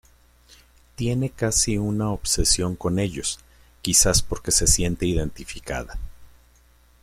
Tiene casi una obsesión con ellos, quizás porque se siente identificada.